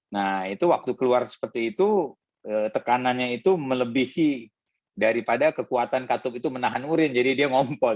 nah itu waktu keluar seperti itu tekanannya itu melebihi daripada kekuatan katup itu menahan urin jadi dia ngompol